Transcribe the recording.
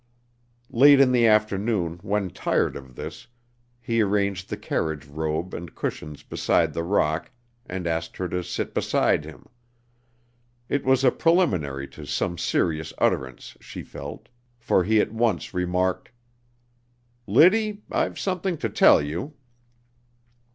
Late in the afternoon, when tired of this, he arranged the carriage robe and cushions beside the rock and asked her to sit beside him. It was a preliminary to some serious utterance, she felt, for he at once remarked: "Liddy, I've something to tell you."